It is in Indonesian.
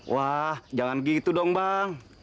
wah jangan begitu dong bang